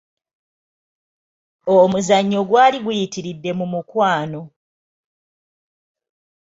Omuzannyo gwali guyitiridde mu mukwano.